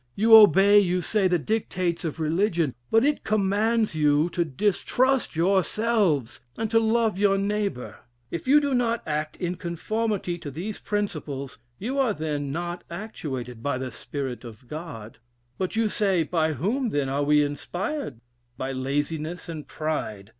You obey, you say, the dictates of religion. But it commands you to distrust yourselves, and to love your neighbor. If you do not act in conformity to these principles, you are then not actuated by the spirit of God. But you say, by whom then are we inspired? By laziness and pride.